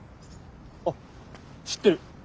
あっ知ってる。